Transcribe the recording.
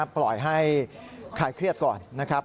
ปล่อยให้คลายเครียดก่อนนะครับ